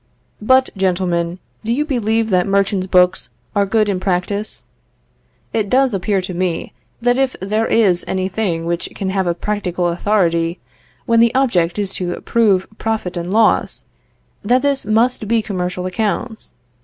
But, gentlemen, do you believe that merchants' books are good in practice? It does appear to me that if there is any thing which can have a practical authority, when the object is to prove profit and loss, that this must be commercial accounts.